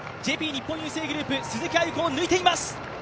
日本郵政グループ・鈴木亜由子を抜いています。